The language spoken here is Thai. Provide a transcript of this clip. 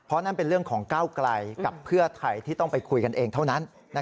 เพราะนั่นเป็นเรื่องของก้าวไกลกับเพื่อไทยที่ต้องไปคุยกันเองเท่านั้น